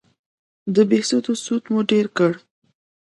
د بهسودو سود مو ډېر کړ